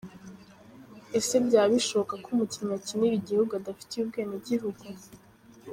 Ese byaba bishoboka ko umukinnyi akinira igihugu adafitiye ubwenegihugu ?.